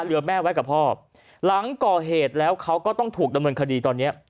แม่ไว้กับพ่อหลังก่อเหตุแล้วเขาก็ต้องถูกดำเนินคดีตอนเนี้ย